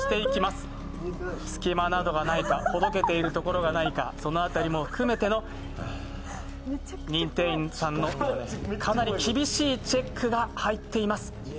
すき間などがないか、ほどけているところがないか、その辺りも含めての認定員さん、かなり厳しいチェックが入っています。